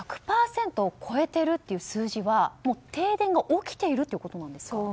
１００％を超えてるっていう数字はもう停電が起きているということなんですか？